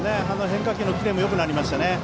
変化球のキレもよくなりましたね。